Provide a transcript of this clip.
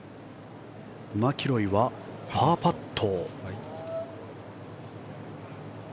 マキロイはパーパット。